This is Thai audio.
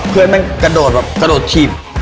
เพื่อนมันกระโดดแบบกระโดดถีบ